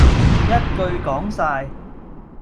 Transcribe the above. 一句講哂